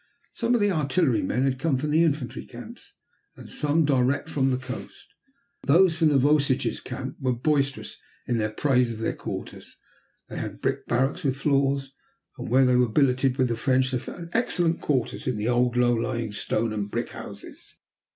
Some of the artillerymen had come from the infantry camps, and some direct from the coast. Those from the Vosges camp were boisterous in their praise of their quarters. They had brick barracks, with floors, and where they were billeted with the French they found excellent quarters in the old, low lying stone and brick houses.